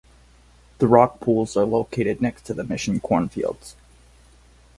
The rock pools are located next to the mission cornfields.